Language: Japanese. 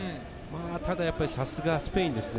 ただ、やはりさすがスペインですね。